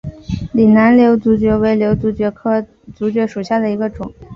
岭南瘤足蕨为瘤足蕨科瘤足蕨属下的一个种。